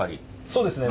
そうですね。